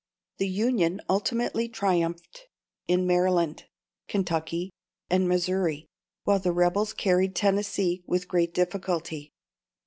The Union ultimately triumphed in Maryland, Kentucky, and Missouri, while the rebels carried Tennessee with great difficulty.